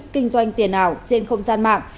kinh doanh tiền ảo trên không gian mạng